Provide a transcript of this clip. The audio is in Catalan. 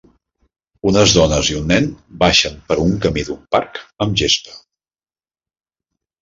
Unes dones i un nen baixen per un camí d'un parc amb gespa.